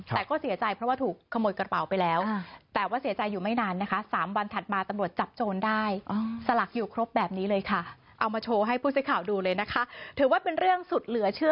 แต่ก็เสียใจเพราะว่าถูกขโมยกระเป๋าไปแล้ว